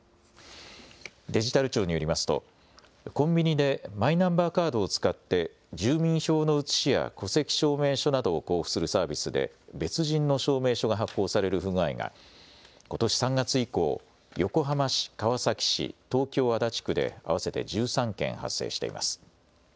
デジタル庁によりますと、コンビニでマイナンバーカードを使って、住民票の写しや戸籍証明書などを交付するサービスで、別人の証明書が発行される不具合が、ことし３月以降、横浜市、川崎市、東京・足立区で合わせて１３件発生しています。